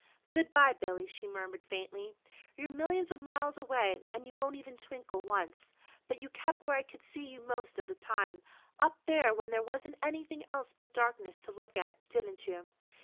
"Good bye, Billy," she murmured faintly. "You're millions of miles away and you won't even twinkle once. But you kept where I could see you most of the time up there when there wasn't anything else but darkness to look at, didn't you?